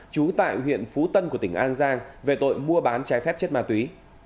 trú tại huyện phú tân của tỉnh an giang về tội mua bán trái phép chất ma túy